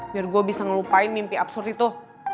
biar gue bisa ngelupain mimpi absurd itu